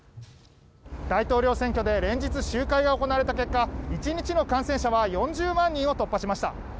大統領選挙で連日集会が行われた結果１日の感染者は４０万人を突破しました。